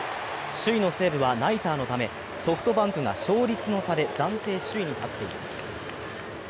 首位の西武はナイターのためソフトバンクが勝率の差で暫定首位に立っています。